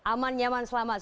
aman nyaman selamat